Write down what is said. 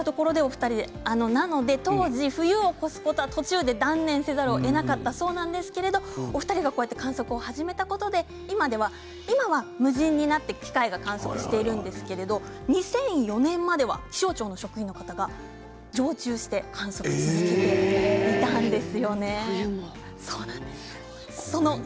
お二人は冬を越すのは途中で断念せざるをえなかったんですけれどお二人が観測を始めたことで今は無人になって機械が観測しているんですけれども２００４年までは気象庁の職員の方が常駐して観測を続けていたんです。